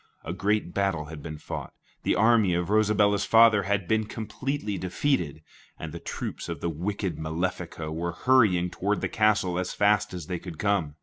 A great battle had been fought, the army of Rosabella's father had been completely defeated, and the troops of the wicked Malefico were hurrying toward the castle as fast as they could come.